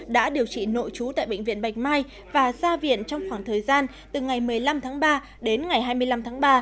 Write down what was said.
đã điều trị nội trú tại bệnh viện bạch mai và ra viện trong khoảng thời gian từ ngày một mươi năm tháng ba đến ngày hai mươi năm tháng ba